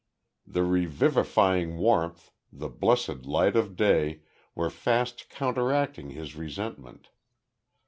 The revivifying warmth, the blessed light of day, were fast counteracting his resentment.